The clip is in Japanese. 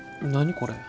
これ。